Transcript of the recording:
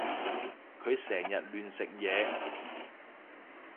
佢成日亂食嘢